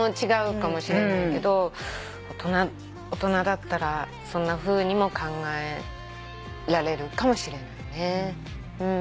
違うかもしれないけど大人だったらそんなふうにも考えられるかもしれないね。